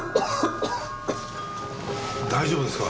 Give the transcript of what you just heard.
大丈夫ですか？